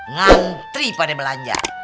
ngantri pada belanja